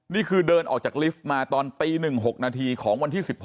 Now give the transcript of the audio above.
นี่คือเดินออกจากลิฟต์มาตอนตี๑๖นาทีของวันที่๑๗